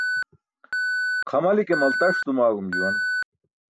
Xamli ke maltas dumaẏum juwan.